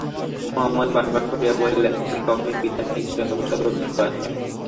মহম্মদ বার বার করিয়া বলিলেন, তিনি কখনোই পিতার নিকটে অনুতাপ প্রকাশ করেন নাই।